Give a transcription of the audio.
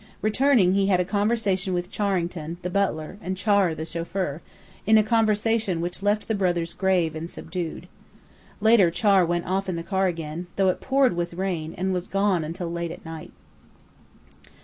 Returning, he had a conversation with Charrington, the butler, and Char, the chauffeur, a conversation which left the brothers grave and subdued. Later Char went off in the car again, though it poured with rain, and was gone until late at night.